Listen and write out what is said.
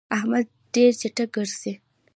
احمد ډېر چټ ګرځي.